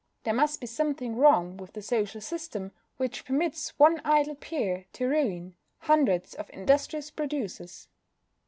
There must be something wrong with a social system which permits one idle peer to ruin hundreds of industrious producers.